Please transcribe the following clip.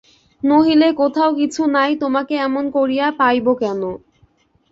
নহিলে কোথাও কিছু নাই তোমাকে এমন করিয়া পাইব কেন?